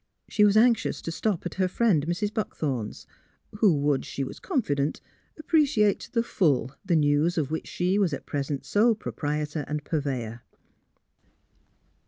She was anxious to stop at her friend, Mrs. Buck thorn's, who would, she was confident, appreciate to the full the news of which she was at present sole proprietor and purveyor.